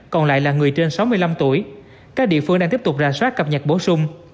còn lại là người trên sáu mươi năm tuổi các địa phương đang tiếp tục rà soát cập nhật bổ sung